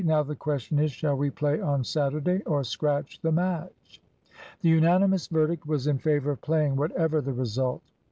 "Now the question is, shall we play on Saturday, or scratch the match?" The unanimous verdict was in favour of playing, whatever the result.